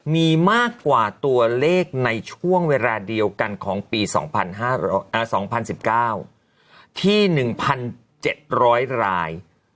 มีมากกว่าตัวเลขในช่วงเวลาเดียวกันของปี๒๐๑๙ที่๑๗๐๐ราย